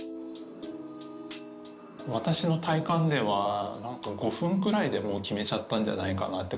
私の体感では何か５分くらいでもう決めちゃったんじゃないかなって。